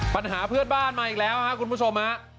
ปัญหาเพื่อนบ้านมาอีกแล้วครับคุณผู้ชมฮะ